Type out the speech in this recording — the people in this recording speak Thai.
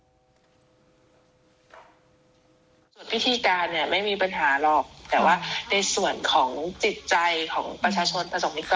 ส่วนพิธีการไม่มีปัญหาหรอก